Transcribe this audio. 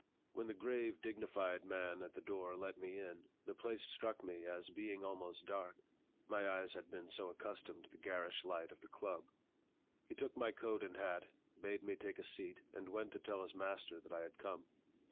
When the grave, dignified man at the door let me in, the place struck me as being almost dark, my eyes had been so accustomed to the garish light of the "Club." He took my coat and hat, bade me take a seat, and went to tell his master that I had come.